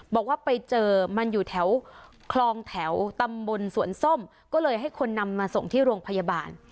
บอกว่าไปเจอมันอยู่แถวคลองแถวตำบลสวนส้มก็เลยให้คนนำมาส่งที่โรงพยาบาล